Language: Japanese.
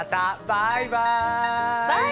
バイバイ！